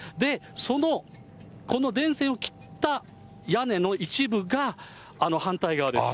その、この電線を切った屋根の一部が、あの反対側です。